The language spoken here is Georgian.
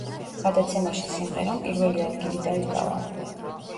გადაცემაში სიმღერამ პირველი ადგილი დაიკავა.